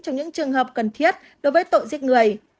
trong những trường hợp cần thiết đối với tội giết người